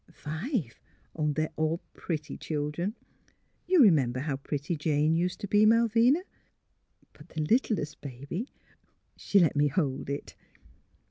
"" Five; they're all pretty children. — You re member how pretty Jane used to be, Malvina? But the littlest baby ... She let me hold it.